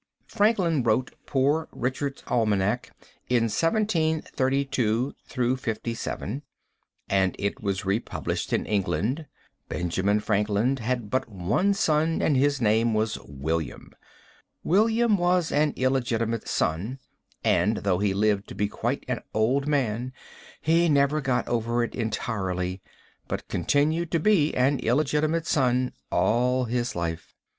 Franklin wrote "Poor Richard's Almanac" in 1732 57, and it was republished in England. Benjamin Franklin had but one son, and his name was William. William was an illegitimate son, and, though he lived to be quite an old man, he never got over it entirely, but continued to be but an illegitimate son all his life.